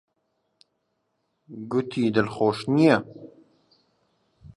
گوتی دڵخۆش نییە.